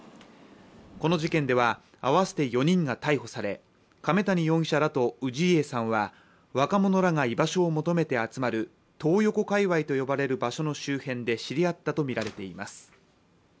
この事件では、合わせて４人が逮捕され亀谷容疑者らと氏家さんは若者らが居場所を求めて集まるトー横界わいと呼ばれる場所の周辺で知り合ったとみられています。